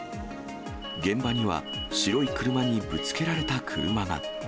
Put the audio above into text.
現場には、白い車にぶつけられた車が。